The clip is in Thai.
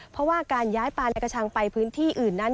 เพราะว่าการย้ายปลาในกระชังไปพื้นที่อื่นนั้น